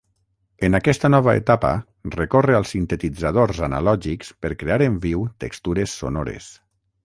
En aquesta nova etapa recorre als sintetitzadors analògics per crear en viu textures sonores.